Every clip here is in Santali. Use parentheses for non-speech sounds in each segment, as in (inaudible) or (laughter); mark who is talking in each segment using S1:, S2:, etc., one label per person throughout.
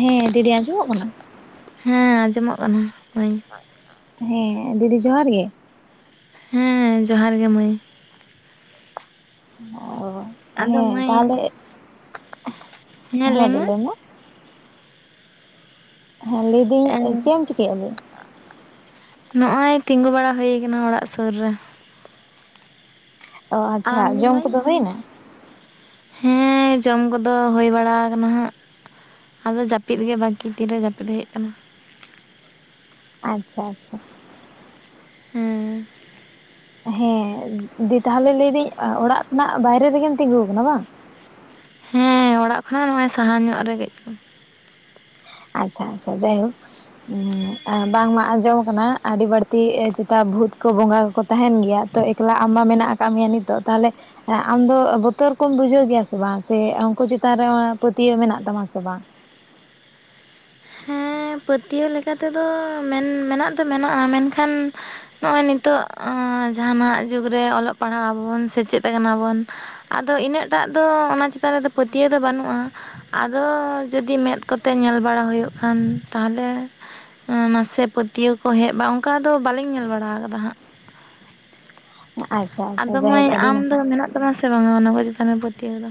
S1: ᱦᱮᱸ ᱫᱤᱫᱤ ᱟᱸᱡᱚᱢᱚᱜ ᱠᱟᱱᱟ?
S2: ᱦᱮᱸ ᱟᱸᱡᱚᱢᱚᱜ ᱠᱟᱱᱟ ᱦᱚᱧ᱾
S1: ᱦᱮᱸ ᱫᱤᱫᱤ ᱡᱚᱦᱟᱨ ᱜᱮ᱾
S2: ᱦᱩᱸ ᱡᱚᱦᱟᱨ ᱜᱮ ᱢᱟᱹᱭ᱾
S1: ᱚ
S2: ᱟᱫᱚ
S1: ᱦᱮᱸ
S2: ᱢᱟᱹᱭ
S1: ᱛᱟᱦᱚᱞᱮ, ᱦᱮᱸ ᱫᱤ ᱞᱟᱹᱭ ᱢᱮ᱾ ᱦᱮᱸ ᱞᱟᱹᱭ ᱫᱤᱧ ᱪᱮᱫ ᱮᱢ ᱪᱤᱠᱟᱹᱭᱮᱜᱼᱟ ᱫᱤ?
S2: ᱱᱚᱜᱼᱚᱭ ᱛᱤᱸᱜᱩ ᱵᱟᱲᱟ ᱦᱳᱭ ᱟᱠᱟᱱᱟ ᱚᱲᱟᱜ ᱥᱩᱨ ᱨᱮ᱾
S1: ᱚ ᱟᱪᱪᱷᱟ
S2: ᱟᱢ ᱫᱚ
S1: ᱡᱚᱢ
S2: ᱢᱟᱹᱭ,
S1: ᱠᱚᱫᱚ ᱦᱩᱭᱱᱟ
S2: ᱦᱮᱸ ᱡᱚᱢ ᱠᱚᱫᱚ ᱦᱳᱭ ᱵᱟᱲᱟ ᱟᱠᱟᱱᱟ ᱦᱟᱸᱜ᱾ ᱟᱫᱚ ᱡᱟᱹᱯᱤᱫ ᱜᱮ ᱵᱟᱹᱠᱤ ᱛᱤᱨᱮ ᱡᱟᱹᱯᱤᱫ ᱦᱳᱭᱳᱜ ᱠᱟᱱᱟ᱾
S1: ᱟᱪᱪᱷᱟ, ᱟᱪᱪᱷᱟ᱾
S2: ᱦᱮᱸ
S1: ᱦᱮᱸ ᱫᱤ ᱛᱟᱦᱚᱞᱮ ᱞᱟᱹᱭ ᱫᱟᱹᱧ ᱚᱲᱟᱜ ᱠᱷᱚᱱᱟᱜ ᱵᱟᱭᱨᱮ ᱨᱮᱜᱮᱢ ᱛᱤᱸᱜᱩᱶ ᱠᱟᱱᱟ ᱵᱟᱝ?
S2: ᱦᱮᱸ ᱚᱲᱟᱜ ᱠᱷᱚᱱᱟᱜ ᱱᱚᱜᱼᱚᱭ ᱥᱟᱦᱟ ᱧᱚᱜ ᱨᱮ ᱠᱟᱹᱡ ᱪᱩᱞᱩᱝ᱾
S1: ᱟᱪᱪᱷᱟ, ᱟᱪᱪᱷᱟ, ᱡᱟᱭᱦᱳᱠ᱾ ᱵᱟᱝᱢᱟ ᱟᱸᱡᱚᱢ ᱠᱟᱱᱟ ᱟᱹᱰᱤ ᱵᱟᱹᱲᱛᱤ ᱪᱮᱛᱟ ᱵᱷᱩᱛ ᱠᱚ, ᱵᱚᱸᱜᱟ ᱠᱚᱠᱚ ᱛᱟᱦᱮᱱ ᱜᱮᱭᱟ ᱛᱚ ᱮᱠᱞᱟ ᱟᱢ ᱢᱟ ᱢᱮᱱᱟᱜ ᱟᱠᱟᱜ ᱢᱮᱭᱟ ᱱᱤᱛᱚᱜ ᱛᱟᱦᱚᱞᱮ ᱟᱢ ᱫᱚ ᱵᱚᱛᱚᱨ ᱠᱚᱢ ᱵᱩᱡᱷᱟᱹᱣ ᱜᱮᱭᱟ ᱥᱮ ᱵᱟᱝ ᱥᱮ ᱩᱱᱠᱩ ᱪᱮᱛᱟᱱ ᱨᱮ ᱟᱢ ᱯᱟᱹᱛᱭᱟᱹᱣ ᱢᱮᱱᱟᱜ ᱛᱟᱢᱟ ᱥᱮ ᱵᱟᱝ?
S2: ᱦᱮᱸ ᱯᱟᱹᱛᱭᱟᱹᱣ ᱞᱮᱠᱟ ᱛᱮᱫᱚ ᱢᱮᱱ ᱢᱮᱱᱟᱜ ᱫᱚ ᱢᱮᱱᱟᱜᱼᱟ ᱢᱮᱱᱠᱷᱟᱱ ᱱᱚᱸᱜᱼᱚᱭ ᱱᱤᱛᱚᱜ ᱡᱟᱸᱦᱟ ᱱᱟᱜ ᱡᱩᱜᱽ ᱨᱮ ᱚᱞᱚᱜ ᱯᱟᱲᱦᱟᱜ ᱟᱵᱚ ᱵᱚᱱ ᱥᱮᱪᱮᱫ ᱠᱟᱱᱟ ᱵᱚᱱ ᱟᱫᱚ ᱤᱱᱟᱹᱜ ᱴᱟᱜ ᱫᱚ ᱚᱱᱟ ᱪᱮᱛᱟᱱ ᱨᱮᱫᱚ ᱯᱟᱹᱛᱭᱟᱹᱣ ᱫᱚ ᱵᱟᱹᱱᱩᱜᱼᱟ᱾ ᱟᱫᱚ ᱡᱩᱫᱤ ᱢᱮᱫ ᱠᱚᱛᱮ ᱧᱮᱞ ᱵᱟᱲᱟ ᱦᱩᱭᱩᱜ ᱠᱷᱟᱱ ᱛᱟᱦᱚᱞᱮ ᱱᱟᱥᱮ ᱯᱟᱹᱛᱭᱟᱹᱣ ᱠᱚ ᱦᱮᱡ ᱵᱟᱝ ᱚᱱᱠᱟ ᱫᱚ ᱵᱟᱹᱞᱤᱧ ᱧᱮᱞ ᱵᱟᱲᱟ ᱟᱠᱟᱫᱟ ᱦᱟᱸᱜ᱾
S1: ᱟᱪᱪᱷᱟ ᱟᱪᱪᱷᱟ
S2: ᱟᱫᱚ ᱢᱟᱹᱭ
S1: ᱡᱟᱭᱦᱳᱠ ᱟᱹᱰᱤ
S2: ᱟᱢ
S1: ᱱᱟᱯᱟᱭ
S2: ᱫᱚ ᱢᱮᱱᱟᱜ ᱛᱟᱢᱟ ᱥᱮ ᱵᱟᱝ ᱚᱱᱟ ᱠᱚ ᱪᱮᱛᱟᱱ ᱨᱮ ᱯᱟᱹᱛᱭᱟᱹᱣ ᱫᱚ?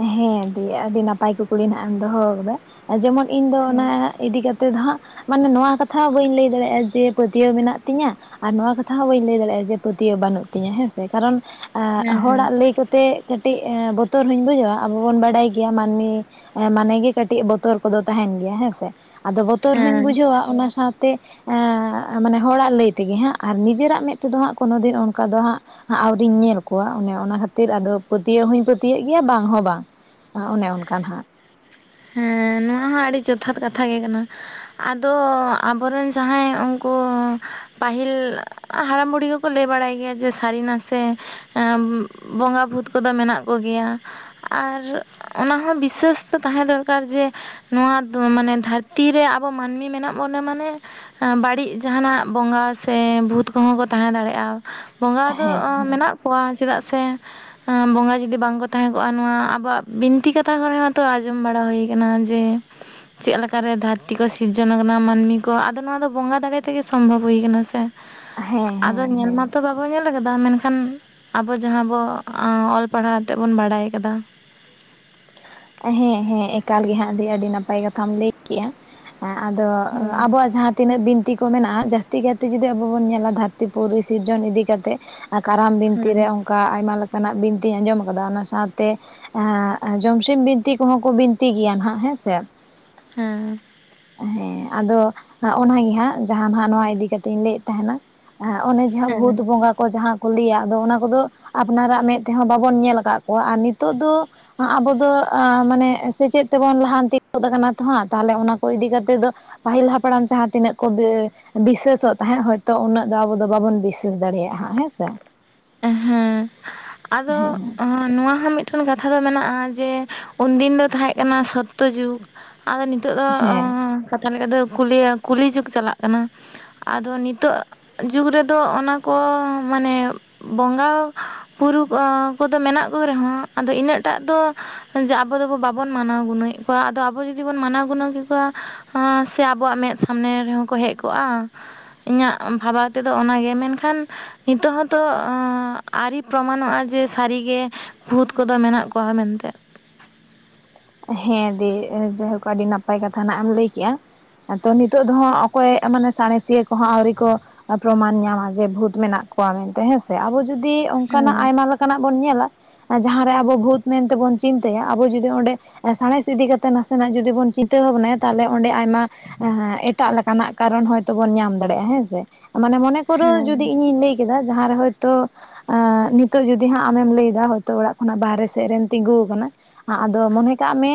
S1: ᱦᱮᱸ ᱫᱤ ᱟᱹᱰᱤ ᱱᱟᱯᱟᱭ ᱠᱩᱠᱞᱤ ᱱᱟᱜ ᱮᱢ ᱫᱚᱦᱚᱣ ᱠᱟᱫᱟ ᱡᱮᱢᱚᱱ ᱤᱧ ᱫᱚ ᱚᱱᱟ ᱤᱫᱤ ᱠᱟᱛᱮ ᱫᱚ ᱦᱟᱸᱜ ᱢᱟᱱᱮ ᱱᱚᱣᱟ ᱠᱟᱛᱷᱟ ᱦᱚᱸ ᱵᱟᱹᱧ ᱞᱟᱹᱭ ᱫᱟᱲᱮᱭᱟᱜᱼᱟ ᱡᱮ ᱯᱟᱹᱛᱭᱟᱹᱣ ᱢᱮᱱᱟᱜ ᱛᱤᱧᱟᱹ ᱟᱨ ᱱᱚᱣᱟ ᱠᱟᱛᱷᱟ ᱦᱚᱸ ᱵᱟᱹᱧ ᱞᱟᱹᱭ ᱫᱟᱲᱮᱭᱟᱜᱼᱟ ᱡᱮ ᱯᱟᱹᱛᱭᱟᱹᱣ ᱵᱟᱹᱱᱩᱜ ᱛᱤᱧᱟᱹ ᱦᱮᱸᱥᱮ ᱠᱟᱨᱚᱱ ᱮᱸᱜ
S2: ᱦᱮᱸ ᱦᱮᱸ
S1: ᱦᱚᱲᱟᱜ ᱞᱟᱹᱭ ᱠᱚᱛᱮ ᱠᱟᱹᱴᱤᱡ ᱵᱚᱛᱚᱨ ᱦᱚᱧ ᱵᱩᱡᱟ ᱟᱵᱚ ᱵᱚᱱ ᱵᱟᱰᱟᱭ ᱜᱮᱭᱟ ᱢᱟᱹᱱᱢᱤ ᱢᱟᱱᱮ ᱜᱮ ᱠᱟᱹᱴᱤᱡ ᱵᱚᱛᱚᱨ ᱠᱚᱫᱚ ᱛᱟᱸᱦᱮᱱ ᱜᱮᱭᱟ ᱦᱮᱸᱥᱮ᱾ ᱟᱫᱚ ᱵᱚᱛᱚᱨ ᱦᱚᱧ
S2: ᱦᱮᱸ
S1: ᱵᱩᱡᱷᱟᱹᱣᱟ ᱚᱱᱟ ᱥᱟᱶᱛᱮ ᱛᱮ ᱢᱟᱱᱮ ᱦᱚᱲᱟᱜ ᱞᱟᱹᱭ ᱛᱮᱜᱮ ᱦᱟᱸᱜ ᱟᱨ ᱱᱤᱡᱮᱨᱟᱜ ᱢᱮᱫ ᱛᱮᱫᱚ ᱦᱟᱸᱜ ᱠᱳᱱᱳ ᱫᱤᱱ, ᱚᱱᱠᱟ ᱫᱚ ᱦᱟᱸᱜ᱾ ᱟᱹᱣᱨᱤᱧ ᱧᱮᱞ ᱠᱚᱣᱟ᱾ ᱚᱱᱮ ᱚᱱᱟ ᱠᱷᱟᱹᱛᱤᱨ ᱟᱫᱚ ᱯᱟᱹᱛᱭᱟᱹᱣ ᱦᱚᱧ ᱯᱟᱹᱛᱭᱟᱹᱣ ᱜᱮᱭᱟ ᱵᱟᱝ ᱦᱚᱸ ᱵᱟᱝ᱾ ᱚᱱᱮ ᱚᱱᱠᱟ ᱱᱟᱸᱦᱟᱜ
S2: ᱦᱮᱸ ᱱᱚᱣᱟ ᱦᱚᱸ ᱟᱹᱰᱤ ᱡᱚᱛᱷᱟᱛ ᱠᱟᱛᱷᱟ ᱜᱮ ᱠᱟᱱᱟ᱾ ᱟᱫᱚ ᱟᱵᱚ ᱨᱮᱱ ᱡᱟᱦᱟᱸᱭ ᱩᱱᱠᱩ ᱯᱟᱹᱦᱤᱞ ᱦᱟᱲᱟᱢ ᱵᱩᱰᱦᱤ ᱠᱚᱠᱚ ᱞᱟᱹᱭ ᱵᱟᱲᱟᱭ ᱜᱮᱭᱟ ᱡᱮ ᱥᱟᱹᱨᱤ ᱱᱟᱥᱮ ᱵᱚᱸᱜᱟ ᱵᱷᱩᱛ ᱠᱚᱫᱚ ᱢᱮᱱᱟᱜ ᱠᱚ ᱜᱮᱭᱟ᱾ ᱟᱨ ᱚᱱᱟ ᱦᱚᱸ ᱵᱤᱥᱟᱹᱥ ᱛᱚ ᱛᱟᱦᱮᱸ ᱫᱚ ᱡᱮ ᱱᱚᱣᱟ ᱢᱟᱱᱮ ᱫᱷᱟᱹᱨᱛᱤ ᱨᱮ ᱟᱵᱚ ᱢᱟᱹᱱᱢᱤ ᱢᱮᱱᱟᱜ ᱵᱚᱱᱟ ᱢᱟᱱᱮ ᱵᱟᱹᱲᱤᱡ ᱡᱟᱸᱦᱟᱱᱟᱜ ᱵᱚᱸᱜᱟ ᱥᱮ ᱵᱷᱩᱛ ᱠᱚᱦᱚᱸ ᱠᱚ ᱛᱟᱦᱮᱸ ᱫᱟᱲᱮᱭᱟᱜᱼᱟ᱾ ᱵᱚᱸᱜᱟ ᱫᱚ
S1: ᱦᱮᱸ
S2: ᱢᱮᱱᱟᱜ ᱠᱚᱣᱟ ᱪᱮᱫᱟᱜ ᱥᱮ ᱵᱚᱸᱜᱟ ᱡᱩᱫᱤ ᱵᱟᱝ ᱠᱚ ᱛᱟᱦᱮᱸ ᱠᱚᱜᱼᱟ᱾ ᱱᱚᱣᱟ ᱟᱵᱚᱣᱟᱜ ᱵᱤᱱᱛᱤ ᱠᱟᱛᱷᱟ ᱠᱚᱨᱮ ᱦᱚᱸ ᱛᱚ ᱟᱸᱡᱚᱢ ᱵᱟᱲᱟ ᱦᱩᱭ ᱠᱟᱱᱟ ᱡᱮ ᱪᱮᱫ ᱞᱮᱠᱟᱨᱮ ᱫᱷᱟᱹᱨᱛᱤ ᱠᱚ ᱥᱤᱨᱡᱚᱱ ᱟᱠᱟᱱᱟ ᱢᱟᱹᱱᱢᱤ ᱠᱚ? ᱟᱫᱚ ᱱᱚᱣᱟ ᱫᱚ ᱵᱚᱸᱜᱟ ᱫᱟᱲᱮ ᱛᱮᱜᱮ ᱥᱚᱢᱵᱷᱚᱵ ᱦᱩᱭ ᱠᱟᱱᱟ ᱥᱮ᱾
S1: ᱦᱮᱸ
S2: ᱟᱫᱚ
S1: ᱦᱮᱸ
S2: ᱧᱮᱞ
S1: ᱦᱮᱸ
S2: ᱢᱟᱛᱚ ᱰᱟᱵᱚ ᱧᱮᱞ ᱟᱠᱟᱫᱟ᱾ ᱢᱮᱱᱠᱷᱟᱱ ᱟᱵᱚ ᱡᱟᱦᱟᱸ ᱵᱚ ᱚᱞ ᱯᱟᱲᱦᱟᱣ ᱡᱟᱛᱮᱫ ᱵᱚᱱ ᱵᱟᱰᱟᱭ ᱠᱟᱫᱟ᱾
S1: ᱦᱮᱸ ᱦᱮᱸ ᱮᱠᱟᱞ ᱜᱮ ᱦᱟᱸᱜ, ᱟᱹᱰᱤ ᱟᱹᱰᱤ ᱱᱟᱯᱟᱭ ᱠᱟᱛᱷᱟᱢ ᱞᱟᱹᱭ ᱠᱮᱜᱼᱟ᱾ ᱦᱮᱸ ᱟᱫᱚ
S2: ᱦᱮᱸ
S1: ᱟᱵᱚᱣᱟᱜ ᱡᱟᱦᱟᱸ ᱛᱤᱱᱟᱹᱜ ᱵᱤᱱᱛᱤ ᱠᱚ ᱢᱮᱱᱟᱜᱼᱟ, ᱡᱟᱹᱥᱛᱤ ᱠᱟᱭᱛᱮ ᱡᱩᱫᱤ ᱟᱵᱚ ᱵᱚᱱ ᱧᱮᱞᱟ᱾ ᱫᱷᱟᱹᱨᱛᱤ ᱯᱩᱨᱩᱨᱤ ᱥᱤᱨᱡᱚᱱ ᱤᱫᱤ ᱠᱟᱛᱮᱫ ᱠᱟᱨᱟᱢ ᱵᱤᱱᱛᱤ ᱨᱮ ᱚᱱᱠᱟ ᱟᱭᱢᱟ ᱞᱮᱠᱟᱱᱼᱟᱜ ᱵᱤᱱᱛᱤᱧ ᱟᱸᱡᱚᱢ ᱟᱠᱟᱫᱟ᱾ ᱚᱱᱟ ᱥᱟᱶᱛᱮ ᱡᱚᱢᱥᱤᱢ ᱵᱤᱱᱛᱤ ᱠᱚᱦᱚᱸ ᱠᱚ ᱵᱤᱱᱛᱤ ᱜᱮᱭᱟ ᱱᱟᱸᱦᱟᱜ ᱦᱮᱸ ᱥᱮ᱾
S2: ᱦᱮᱸ᱾
S1: ᱦᱮᱸ ᱟᱫᱚ ᱱᱚᱜᱼᱚᱭ ᱱᱚᱣᱟ ᱜᱮ ᱦᱟᱸᱜ, ᱡᱟᱦᱟᱸ ᱱᱟᱸᱜ ᱱᱚᱣᱟ ᱤᱫᱤ ᱠᱟᱛᱮ ᱤᱧ ᱞᱟᱹᱭᱮᱫ ᱛᱟᱦᱮᱱᱟ᱾ ᱚᱱᱮ ᱡᱟᱦᱟᱸ ᱵᱷᱩᱛ
S2: ᱦᱮᱸ
S1: ᱵᱚᱸᱜᱟ ᱠᱚ ᱡᱟᱦᱟᱸ ᱠᱚ ᱞᱟᱹᱭᱟ᱾ ᱟᱫᱚ ᱚᱱᱟ ᱠᱚᱫᱚ ᱟᱯᱱᱟᱨᱼᱟᱜ ᱢᱮᱸᱫ ᱛᱮᱦᱚᱸ ᱵᱟᱵᱚᱱ ᱧᱮᱞ ᱠᱟᱜ ᱠᱚᱣᱟ ᱟᱨ ᱱᱤᱛᱚᱜ ᱫᱚ ᱟᱵᱚ ᱫᱚ ᱢᱟᱱᱮ ᱥᱮᱪᱮᱫ ᱛᱮᱵᱚᱱ ᱞᱟᱦᱟᱱᱛᱤ ᱜᱚᱫ ᱠᱟᱱᱟ ᱛᱚ᱾ ᱦᱟᱸᱜ ᱛᱟᱦᱚᱞᱮ ᱚᱱᱟ ᱠᱚ ᱤᱫᱤ ᱠᱟᱛᱮ ᱫᱚ ᱯᱟᱹᱦᱤᱞ ᱦᱟᱯᱲᱟᱢ ᱡᱟᱦᱟᱸ ᱛᱤᱱᱟᱹᱜ ᱠᱚ ᱵᱤᱥᱥᱟᱹᱥᱼᱚᱜ ᱛᱟᱦᱮᱸᱫ ᱦᱳᱭᱛᱚ, ᱩᱱᱟᱹᱜ ᱫᱚ ᱟᱵᱚ ᱫᱚ ᱵᱟᱵᱚᱱ ᱵᱤᱥᱥᱟᱹᱥ ᱫᱟᱲᱮᱭᱟᱜᱼᱟ ᱦᱮᱸᱥᱮ᱾
S2: ᱦᱮᱸ ᱟᱫᱚ
S1: ᱦᱮᱸ
S2: ᱱᱚᱣᱟ ᱦᱚᱸ ᱢᱤᱫᱴᱮᱱ ᱠᱟᱛᱷᱟ ᱫᱚ ᱢᱮᱱᱟᱜᱼᱟ ᱡᱮ ᱩᱱᱫᱤᱱ ᱫᱚ ᱛᱟᱦᱮᱸᱜ ᱠᱟᱱᱟ ᱥᱳᱛᱛᱳ ᱡᱩᱜᱽ ᱟᱫᱚ ᱱᱤᱛᱚᱜ ᱫᱚ
S1: ᱦᱮᱸ
S2: ᱠᱟᱛᱷᱟ ᱞᱮᱠᱟ ᱛᱮᱫᱚ ᱠᱚ ᱞᱟᱹᱭᱟ ᱠᱩᱞᱤ ᱡᱩᱜᱽ ᱪᱟᱞᱟᱜ ᱠᱟᱱᱟ᱾ ᱟᱫᱚ ᱱᱤᱛᱚᱜ ᱡᱩᱜᱽ ᱨᱮᱫᱚ ᱚᱱᱟ ᱠᱚ ᱢᱟᱱᱮ ᱵᱚᱸᱜᱟ ᱯᱩᱨᱩᱵ ᱠᱚᱫᱚ ᱢᱮᱱᱟᱜ ᱠᱚ ᱨᱮᱦᱚᱸ ᱟᱫᱚ ᱤᱱᱟᱹᱜ ᱴᱟᱜ ᱫᱚ ᱡᱮ (unintelligible) ᱟᱵᱚ ᱫᱚᱵᱚ ᱵᱟᱵᱚᱱ ᱢᱟᱱᱟᱣ ᱜᱩᱱᱟᱹᱣᱮᱫ ᱠᱚᱣᱟ᱾ ᱟᱫᱚ ᱟᱵᱚ ᱡᱩᱫᱤ ᱵᱚᱱ ᱢᱟᱱᱟᱣ ᱜᱩᱱᱟᱹᱣ ᱠᱮ ᱠᱚᱣᱟ, ᱥᱮ ᱟᱵᱚᱣᱟᱜ ᱢᱮᱫ ᱥᱟᱢᱱᱮ ᱨᱮᱦᱚᱸ ᱠᱚ ᱦᱮᱡ ᱠᱚᱜᱼᱟ? ᱤᱧᱟᱹᱜ ᱵᱷᱟᱵᱟᱣ ᱛᱮᱫᱚ ᱚᱱᱟ ᱜᱮ ᱢᱮᱱᱠᱷᱟᱱ ᱱᱤᱛᱚᱜ ᱦᱚᱸ ᱱᱤᱛᱚᱜ ᱟᱹᱣᱨᱤ ᱯᱨᱚᱢᱟᱱᱚᱜᱼᱟ ᱡᱮ ᱥᱟᱹᱨᱤ ᱜᱮ ᱵᱷᱩᱛ ᱠᱚᱫᱚ ᱢᱮᱱᱟᱜ ᱠᱚᱣᱟ ᱢᱮᱱ ᱛᱮ᱾
S1: ᱦᱮᱸ ᱫᱤ ᱡᱟᱭᱦᱳᱠ ᱟᱹᱰᱤ ᱱᱟᱯᱟᱭ ᱠᱟᱛᱷᱟ ᱱᱟᱢ ᱞᱟᱹᱭ ᱠᱮᱫᱼᱟ᱾ ᱛᱚ ᱱᱤᱛᱚᱜ ᱫᱚ ᱦᱚᱸ ᱚᱠᱚᱭ ᱢᱟᱱᱮ ᱥᱟᱬᱮᱥᱤᱭᱟᱹ ᱠᱚᱦᱚᱸ ᱟᱹᱣᱨᱤ ᱠᱚ ᱯᱨᱚᱢᱟᱱ ᱧᱟᱢᱟ ᱡᱮ ᱵᱷᱩᱛ ᱢᱮᱱᱟᱜ ᱠᱚᱣᱟ ᱢᱮᱱᱛᱮ ᱦᱮᱸᱥᱮ᱾ ᱟᱵᱚ ᱡᱩᱫᱤ ᱚᱱᱠᱟᱱᱟᱜ
S2: ᱦᱮᱸ
S1: ᱟᱭᱢᱟ ᱞᱮᱠᱟ ᱱᱟᱜ ᱵᱚᱱ ᱧᱮᱞᱟ᱾ ᱡᱟᱦᱟᱸ ᱨᱮ ᱟᱵᱚ ᱵᱷᱩᱛ ᱢᱮᱱᱛᱮ ᱵᱚᱱ ᱪᱤᱱᱛᱟᱹᱭᱟ, ᱟᱵᱚ ᱡᱩᱫᱤ ᱚᱸᱰᱮ ᱥᱟᱬᱮᱥ ᱤᱫᱤ ᱠᱟᱛᱮᱜ ᱱᱟᱥᱮᱱᱟᱜ ᱡᱩᱫᱤ ᱵᱚᱱ ᱪᱤᱱᱛᱟᱹ ᱵᱷᱟᱵᱽᱱᱟᱭᱼᱟ᱾ ᱛᱟᱦᱚᱞᱮ ᱚᱸᱰᱮ ᱟᱭᱢᱟ ᱮᱴᱟᱜ ᱞᱮᱠᱟᱱᱟᱜ ᱠᱟᱨᱚᱱ ᱦᱚᱭᱛᱳ ᱵᱚᱱ ᱧᱟᱢ ᱫᱟᱲᱮᱭᱟᱜᱼᱟ, ᱦᱮᱸᱥᱮ ᱢᱟᱱᱮ ᱢᱚᱱᱮ ᱠᱚᱨᱚ ᱡᱩᱫᱤ
S2: ᱦᱮᱸ
S1: ᱤᱧᱤᱧ ᱞᱟᱹᱭ ᱠᱮᱫᱟ᱾ ᱡᱟᱦᱟᱸ ᱨᱮ ᱦᱚᱭᱛᱳ ᱟᱸᱻ ᱱᱤᱛᱚᱜ ᱡᱩᱫᱤ ᱦᱟᱸᱜ ᱟᱢᱮᱢ ᱞᱟᱹᱭ ᱮᱫᱟ ᱦᱚᱭᱛᱳ ᱚᱲᱟᱜ ᱠᱷᱚᱱᱟᱜ ᱵᱟᱦᱨᱮ ᱥᱮᱫ ᱨᱮᱢ ᱛᱤᱸᱜᱩ ᱟᱠᱟᱱᱟ᱾ ᱟᱫᱚ ᱢᱚᱱᱮ ᱠᱟᱜ ᱢᱮ